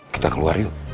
kita keluar yuk